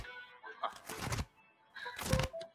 آیا سود د نورو د ضرر سبب کیږي؟